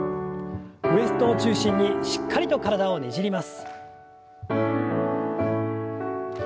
ウエストを中心にしっかりと体をねじります。